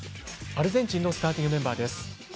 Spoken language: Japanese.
アルゼンチンのスターティングメンバーです。